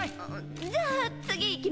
んじゃあ次いきますねぇ！